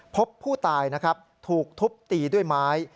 พบผู้ตายนะครับถูกทุบตีด้วยไม้